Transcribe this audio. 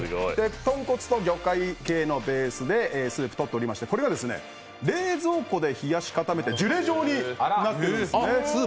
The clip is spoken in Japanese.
とんこつと魚介系のベースでスープをとってましてこれが冷蔵庫で冷やし固めてジュレ状になってるんですね。